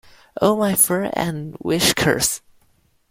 Oh my fur and whiskers!